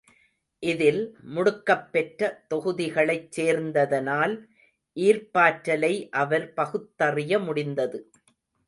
இதில் முடுக்கப் பெற்ற தொகுதிகளைச் சேர்ந்ததனால் ஈர்ப்பாற்றலை அவர் பகுத்தறிய முடிந்தது.